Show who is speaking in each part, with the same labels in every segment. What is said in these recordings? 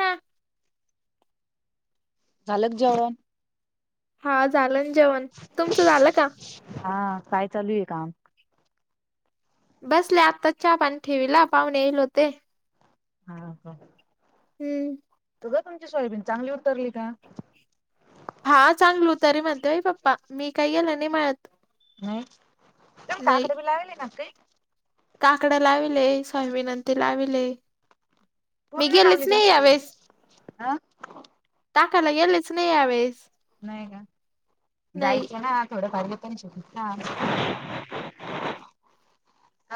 Speaker 1: ना
Speaker 2: झालं क जेवण
Speaker 1: हा झालं ना जेवण तुमचं झालं का
Speaker 2: हा काय चालू आहे काम?
Speaker 1: बसले आता चहा पाणी ठेवीला पाहुणे येईल होते
Speaker 2: हा ह
Speaker 1: हम्म
Speaker 2: तुमची सॉयबीन चांगली उत्तरली का
Speaker 1: हा चांगलू तरी म्हणते बा पप्पा मी काही गेलं नाही म्हळत
Speaker 2: हम् तम काकडे बी लावेले नाक
Speaker 1: काकडं लाविले स्वयविनंती लाविले मी गेलेच नाही यावेळेस
Speaker 2: आं
Speaker 1: आकायला गेलेच नाही आहेस
Speaker 2: नाही का? जायचं ना थोडं भरलं पण शिक ना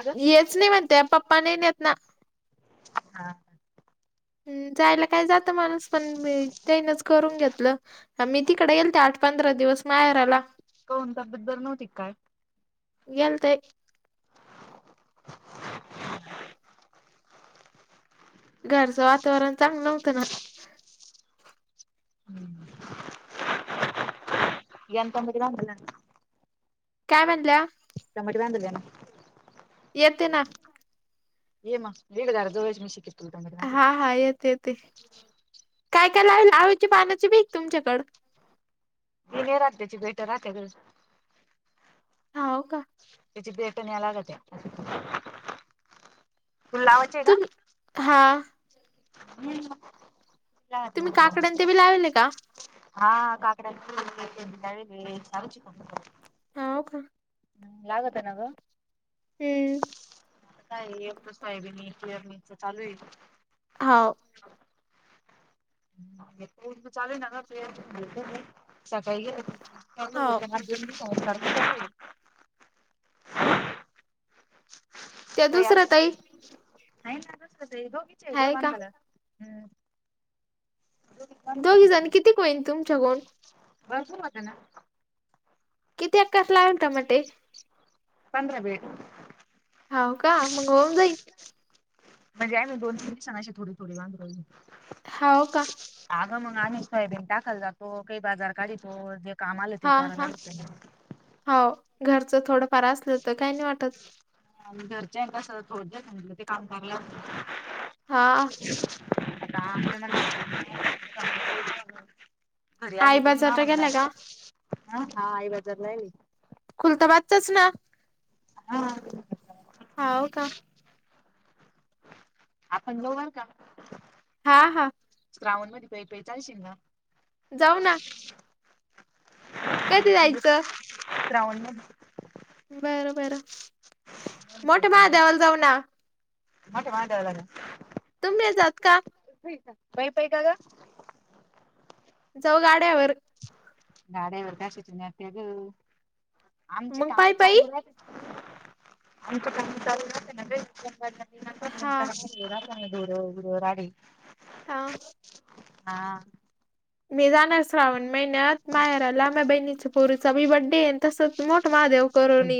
Speaker 2: अगं
Speaker 1: येच नाही म्हणत पप्पा नाही नेत ना
Speaker 2: हा ह
Speaker 1: ह् जायला काय जात माणस पण करून घेतलं मी तिकडे गेल आठ पंधरा दिवस माहेर आला
Speaker 2: कोणताबद्दल नव्हती काय
Speaker 1: याल ते घरचं वातावरण चांग नव्हतं ना
Speaker 2: हम् एंतंद दिलाला
Speaker 1: काय बनल्या
Speaker 2: चमुळेट वन ना
Speaker 1: येत ना
Speaker 2: ये म हेगा अर्ध वश म शिक.
Speaker 1: हा हा येते येते. काय काय लावल आवचे पानाची बीक तुमच्याकड.
Speaker 2: दि नाही रात्याची बेट रात ग.
Speaker 1: हाव का
Speaker 2: विचिथट न यालगते. तुला लावाचे आहे का?
Speaker 1: तुम्ही हा
Speaker 2: हम्म
Speaker 1: तुम्ही काकड्या न ते बी लावले का?
Speaker 2: हा काकड्याे सार [unintelligible] चिक
Speaker 1: हाव का
Speaker 2: ह लागत नाग.
Speaker 1: हम्म
Speaker 2: नाही एच फय बीरीच चालू आहे.
Speaker 1: हो
Speaker 2: [inaudible] चालेल न ग प्रिया सकाळी गेले तर.
Speaker 1: हाव
Speaker 2: [unintelligible] संस्कार
Speaker 1: त्या दुसऱ्या ताई.
Speaker 2: नत गो विचय गो
Speaker 1: हाय का
Speaker 2: बंगला हम्म भरपूर
Speaker 1: दोघी जण किती कोईन तुमच्या कोण.
Speaker 2: बसू होत ना.
Speaker 1: किती अकास लावेल टमाटे.
Speaker 2: पधंरा बेड.
Speaker 1: हाव का मग होऊन जाई.
Speaker 2: म्हणजे आहे मी दोन तीन दिवसांनाशी थोडी थोडी वांध.
Speaker 1: हो का
Speaker 2: अगं मग अनेश फयबीन टाकाल जातो काही बाजार काढतो.
Speaker 1: हा हा हो घरच थोडं फार असलं तर काही नाही वाटत.
Speaker 2: आणि घरच्या कस थोड्यालं ते काम चांगला
Speaker 1: हा
Speaker 2: [inaudible] ना [unintelligible] घरी
Speaker 1: आई
Speaker 2: आले कु ना
Speaker 1: बाजारला
Speaker 2: म्हगणार
Speaker 1: गेला का
Speaker 2: हा आई बाजारला आली.
Speaker 1: खुलतबाजतच ना?
Speaker 2: हा
Speaker 1: हा का
Speaker 2: आपण लोवरल का
Speaker 1: हा हां
Speaker 2: श्रावण मध्ये पाई पाई चालशील ना?
Speaker 1: जाऊ ना. कधी जायचं?
Speaker 2: श्रावण.
Speaker 1: बरं बरं
Speaker 2: मध्ये
Speaker 1: मोठ्या महादेवाला जाऊ ना?
Speaker 2: मोठ्या महादेवाला ना.
Speaker 1: तुम्ही जात का.
Speaker 2: पायी पायी का ग.
Speaker 1: जाऊ गाड्यावर.
Speaker 2: गाड्यावर कशीच नते ग आमची
Speaker 1: मग
Speaker 2: काम
Speaker 1: पायी पायी
Speaker 2: चालू राहील. आमच्या काम चालू राहते ना
Speaker 1: हा
Speaker 2: [unintelligible] [unintelligible] राडी
Speaker 1: हा
Speaker 2: हा
Speaker 1: मी जाणार श्रावण महिन्यात माहेराला माझ्या बहिणीच्या पोरीचाी बड्डे तसच मोठ.
Speaker 2: दुसणे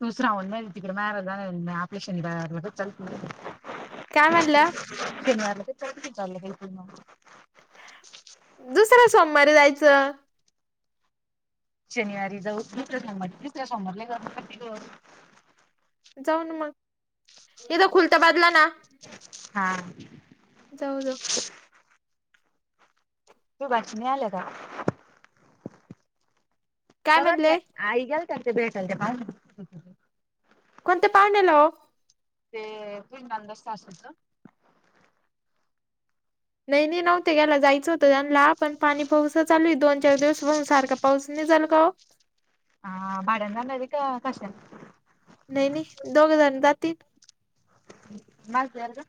Speaker 2: विच कड मजशन तो श्रावण महिन्यात तुझ्या माहेराला जाणार आहे ना.
Speaker 1: काय म्हटलात.
Speaker 2: चची ग बिलकुल ना.
Speaker 1: दुसर सोमवारीे जायचं.
Speaker 2: शनिवारी जाऊ तु स दुसऱ्या समोरला जा ग.
Speaker 1: जाऊन मग इथ खुलत बादला ना.
Speaker 2: हां.
Speaker 1: जाऊ जाऊ.
Speaker 2: तू भाषने आलं का.
Speaker 1: काय
Speaker 2: आई
Speaker 1: म्हणले
Speaker 2: गेल्या होत्या ना त्यांना तिथे भेटायला
Speaker 1: कोणते पाहुणेल हो.
Speaker 2: ते पिंडंद असत असत.
Speaker 1: नाही नाही नव्हते ग्याला जायचं होतं जाला पण पाणी पाऊस चालू आहे दोन चार दिवस म्हसून सारखा पाऊस नाही. चालगव
Speaker 2: हा भाड दध का कशल
Speaker 1: नाही नाही दोघ जण जातील.
Speaker 2: मज या का?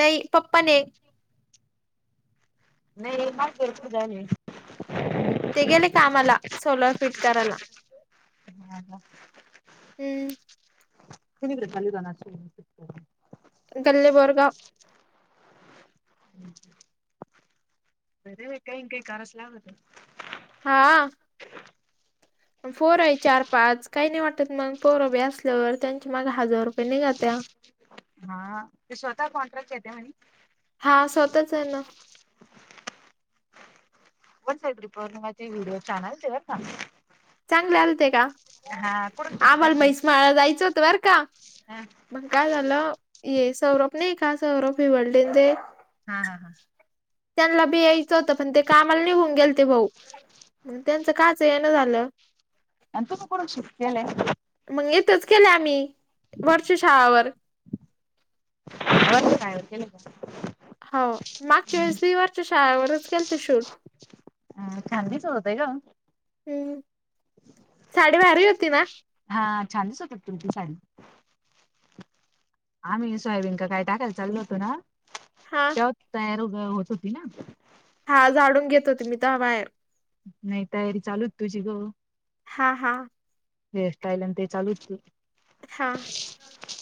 Speaker 1: नाही पप्पाने
Speaker 2: नाही काध
Speaker 1: ते गेले कामाला सोलर फिट कराला.
Speaker 2: ह का?
Speaker 1: हम्म.
Speaker 2: तिवरे लवाान
Speaker 1: गल्लेबोर्गा
Speaker 2: अरे काही काही कारच लावत.
Speaker 1: हा. पोर आहे चार पाच काही नाही वाटत मग पोरभे असल्यावर त्यांचे माग हजार रुपये निघा त्या्या
Speaker 2: हा ते स्वतः कॉन्ट्रॅक्ट येते म्हणे.
Speaker 1: हा स्वतःच आहे ना
Speaker 2: वन साईड रिपोर्टिंग म वि्हडिओ चानलचे ना.
Speaker 1: चांगले आलते का?
Speaker 2: कुठून शूट
Speaker 1: आा मला
Speaker 2: केलते?
Speaker 1: म्हैस माळा जायचं होत बर का
Speaker 2: हा
Speaker 1: मंग काय झालं. ये सौरभ नाही का सौरभ हिवडेचे
Speaker 2: हा हा हा.
Speaker 1: त्यांना बी यायचं होतं पण ते कामाला निघून गेल. ते भाऊ त्यांचं काच आहे ना झालं.
Speaker 2: आणि तुम्ही कुठून शिकलेले आहेत.
Speaker 1: च केले आम्ही वरषु शाळावर
Speaker 2: अ काय केले का?
Speaker 1: हो मागच्याोळीसवी वर्च्या शाळेवरच गेल ते शूट
Speaker 2: अ खांदी स होते का?
Speaker 1: हम्म साडी भारी होती ना.
Speaker 2: छानचकत तुमची साडी आम्ही सोयाबीन का काय टाकायला चालो होतो ना
Speaker 1: हा
Speaker 2: तेवत र होत होती ना.
Speaker 1: हा जाडून घेत होते मी तर हवा आहे.
Speaker 2: नाही तयारी चालूच तुझी ग.
Speaker 1: हा हा.
Speaker 2: हेअरस्टाईल आणि ते चालूच.
Speaker 1: हा.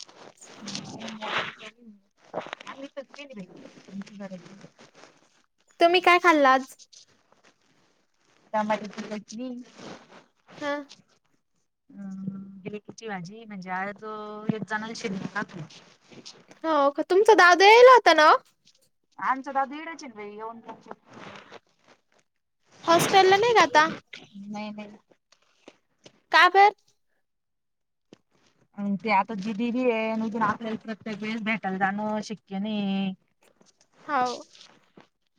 Speaker 2: हम्. [unintelligible]
Speaker 1: तुम्ही काय खाल्ला आज?
Speaker 2: टमाटरची चटनी.
Speaker 1: हा.
Speaker 2: हा गिलकीची भाजी म्हणजे आज त एक जण शे टाकली.
Speaker 1: हो का तुमचा दादा यायला होता ना.
Speaker 2: आमचा दादू इडेचे आहे येऊन जाऊन.
Speaker 1: हॉस्टेल ला नाही आता.
Speaker 2: ह [unintelligible]
Speaker 1: का बर.
Speaker 2: [unintelligible] आणि ते आता जी दिदी आहे जून आपल्याला प्रत्येक वेळेस भेटायला जाणं शिक्य नाही.
Speaker 1: हाव.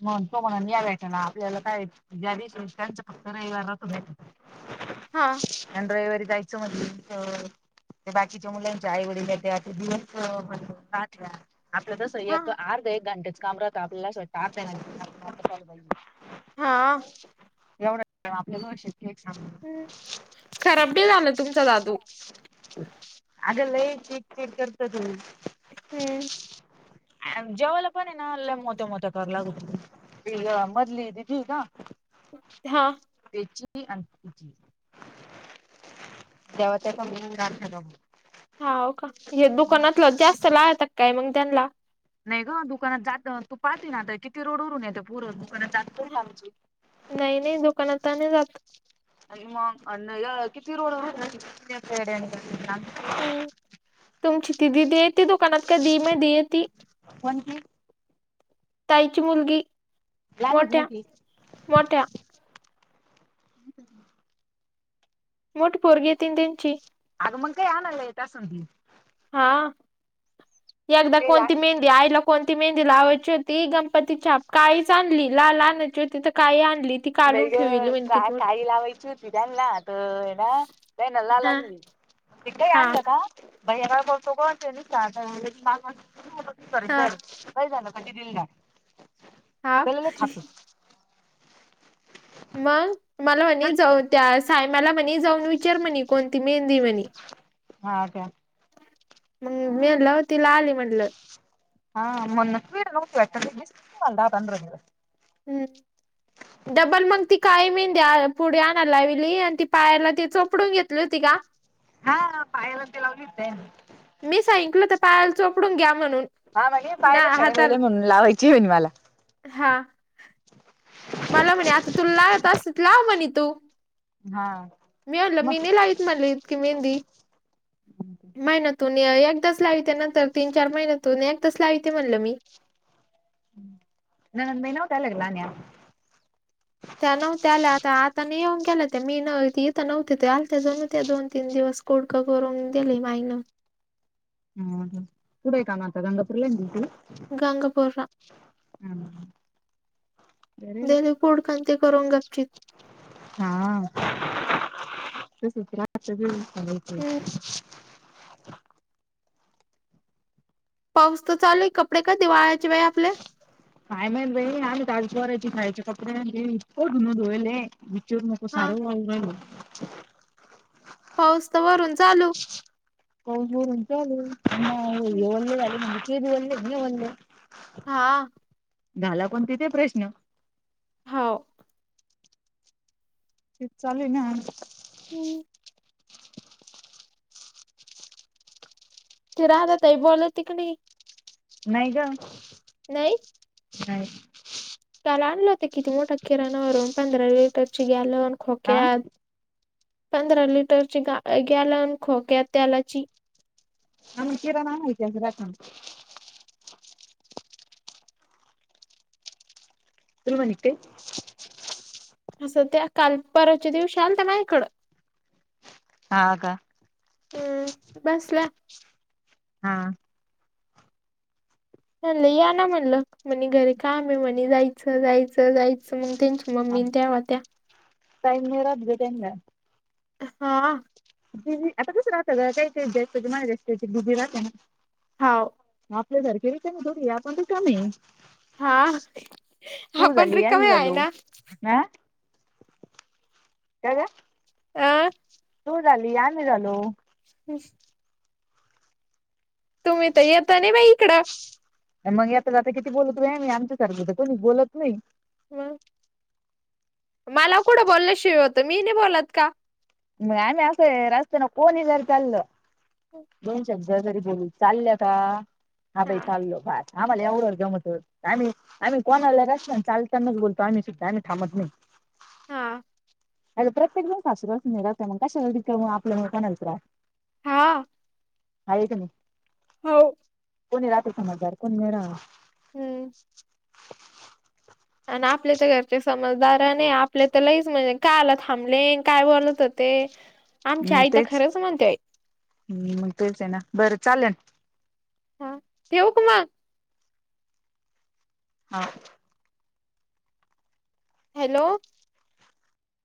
Speaker 2: मण तो म्हणन या भेटे ना आपल्याला काय ज्या दिवसी त्यांच फक्त रविवारच
Speaker 1: हा
Speaker 2: भेट एडे वारी जायच म्हटल की. ते बाकीच्या मुलांच्या आईवडला त्या दिवस. आपलं तसं
Speaker 1: हा
Speaker 2: एक अर्ध एक घंट्याच काम राहतं आपल्याला असं आता आहे.
Speaker 1: हा
Speaker 2: एवढंच आपल्या गोषीत
Speaker 1: हम्म खराब बी झालं तुमचा दादू.
Speaker 2: आग लय चिड चिड करते ते.
Speaker 1: हम्म
Speaker 2: जेवाला पण आहे ना मोठ्या मोठ्या क लाग. ते मधली दिदि आहे ना.
Speaker 1: हा.
Speaker 2: त तेव्हा त्याचा मिळून हो.
Speaker 1: हा का हे दुकानातलं जास्त लाहतात काय मग त्यांना.
Speaker 2: नाही ग दुकानात जात तू पाहते ना आता किती रोड उरून येतो पुर
Speaker 1: नाही नाही दुकानात नाही जात.
Speaker 2: आणि मग अ किती रोड [unintelligible]
Speaker 1: हम्म तुमची दिदी देत दुकानात काधी मदि येती
Speaker 2: कोणती
Speaker 1: ताईची मुलगी.
Speaker 2: लहानी की
Speaker 1: मोठ्या
Speaker 2: मोठी
Speaker 1: मोठ्या.
Speaker 2: ह
Speaker 1: मोठी पोरगी येतीन त्यांनची.
Speaker 2: अग मग काय आणायला येत असल ती.
Speaker 1: हा एकदा
Speaker 2: केला
Speaker 1: कोणती मेहंदी आईला कोणती. ती मेहंदी लावाची होती गणपती छाप काळीच आणली लाल आणायची होती तर काळी आण.
Speaker 2: नाही ग का काळी लावायची होती त्यांना तर ना त्याना लाल
Speaker 1: हा
Speaker 2: आनली. ते काय
Speaker 1: हा
Speaker 2: आणलं का. बाै या बोलतो को त्या दिवशी [unintelligible] माग कर
Speaker 1: हा
Speaker 2: जा का झालं दिदीला
Speaker 1: हा मग मला म्ह
Speaker 2: चल
Speaker 1: जा त्या सा मला म्हणे जाऊन विचार म्हणे कोणती मेहंदीये म्हणे.
Speaker 2: हा का.
Speaker 1: मंग मी म्हटलं ती लाल ये म्हटलं.
Speaker 2: हा म्हणूनच ती दिसली नाही दहा, पंधरा दिवस.
Speaker 1: हम्म. डबल मग ती काळी मेंहदी पुढे आणायला लाविली आणि ती पायाला ती चोपडून घेतली होती. का
Speaker 2: हा पायाला ते लावली होती त्यानी.
Speaker 1: मी सांगितलं ते पायाला चोपडून घ्या म्हणून.
Speaker 2: हा म्हणे
Speaker 1: ना
Speaker 2: पायाला शरम
Speaker 1: हाताला
Speaker 2: यायले म्हणून लावायची होईना मला
Speaker 1: हा मला म्हणे आता तुला लावयला येत असती तर लाव म्हणे तू
Speaker 2: हा
Speaker 1: मी म्हणलं मी
Speaker 2: मग
Speaker 1: नाही लावित म्हणलं इतकी मेहंदी म्हणे तूल एकदाच लाविते नंतर तीन चार महिन्यातून एकदाच लावीते म्हणलं मी
Speaker 2: हम् ननंद बाई नव्हत्या आल्या का लावून घ्यायला
Speaker 1: त्या नव्हत्या आल्या आता आता नाही येऊन गेल्या त्या मी नव्हती इथं नव्हती तेव्हा आलत्या जणू त्या दोन तीन दिवस कुडकं करून दिली माईनं
Speaker 2: हं हं कुठंय काम आता गंगापूरला आहे ना ड्यूटीवर
Speaker 1: गंगापूरला
Speaker 2: बरोबर
Speaker 1: गेली फूडका अन् ते करून गच्चीत हम्म.
Speaker 2: च
Speaker 1: पाऊस तर चालूय कपडे कधी वाळायचे बाई आपले
Speaker 2: काय माहीत बाई आम्ही तर पोरांची ह्यांची कपडे आणि ते इतकं धुन धुवायले चिरु नको
Speaker 1: हा
Speaker 2: सारं वाहू राहिले
Speaker 1: पाऊस तर वरून चालू
Speaker 2: पाऊस वरून चालू हे वल्ले झाले म्हणले ते बी वल्ले झाले म्हणले
Speaker 1: हा
Speaker 2: घाला पण तिथे प्रश्न
Speaker 1: हौ
Speaker 2: तेच चालूये ना आमचं
Speaker 1: ती राधा ताई बोलली तिकडी
Speaker 2: नाही गं नाही
Speaker 1: त्याला आणलं होतं किती मोठ्या किराणावरून पंधरा लिटरची गॅलन
Speaker 2: आ?
Speaker 1: खोक्यात पंधरा लिटरची गा गॅलन खोक्या‌ तेलाची
Speaker 2: आम्हाला किराना आणायची आज रातून तुला म्हणे का काही
Speaker 1: असं त्या काल परवाच्या दिवशी आलता ना इकडं
Speaker 2: हां का
Speaker 1: हम्म बसला
Speaker 2: हां
Speaker 1: म्हणलं या ना म्हणलं म्हणे घरी काम आहे म्हणे जायचं जायचं जायचं मग त्यांच्या
Speaker 2: हा टाईम नाही राहत गं त्यांना
Speaker 1: हां
Speaker 2: बिझी आता कस राहत गं काही काही गॅसचं जे माजये त्यांचं बीझी राहते ना
Speaker 1: हाव
Speaker 2: आपल्या सारखे रिकामे थोडीये आपण रीकामे आहे
Speaker 1: हा
Speaker 2: तू
Speaker 1: आपण
Speaker 2: झाली या मी
Speaker 1: रिकामे आहे
Speaker 2: झालो
Speaker 1: ना
Speaker 2: हा का गं
Speaker 1: अह
Speaker 2: तू झाली आम्ही झालो
Speaker 1: हम् तुम्ही तर येता नाही बाई इकडं
Speaker 2: मग येता जाता किती बोलत मी आमच्या सारखं तर कोणी बोलत नाही
Speaker 1: हम मला कुडं बोलण्याशिवाय होतं मी नाही बोलत का
Speaker 2: मग आम्ही असं रस्त्यान कोणी जर चाललं दोन शब्द जरी बोलू चालल्या का हा बाई चाललो फार आम्हाला एवढ्यावर जमत आम्ही आम्ही कोणाला अस चालतानाच बोलतो आम्ही सुद्धा आम्ही थांबत नाही.
Speaker 1: हा.
Speaker 2: अणि प्रत्येक सासुरवासिन राहते मग कशाला रिकामं आपल्या मुळे कोणाला त्रास.
Speaker 1: हा.
Speaker 2: हाय की नाय.
Speaker 1: हो.
Speaker 2: कोणी राहत समजदार कोणी नाही राहत.
Speaker 1: हम्म.
Speaker 2: [unintelligible]
Speaker 1: आणि आपले तर घरचे समजदारने आपल्या तर लईच म्हणजे काह्याला थांबले काय बोलत होत ते ते.
Speaker 2: मग तेच हम्म मग तेच हे ना बरं चालेल
Speaker 1: हा ठेऊ का मग.
Speaker 2: हा.
Speaker 1: हॅलो.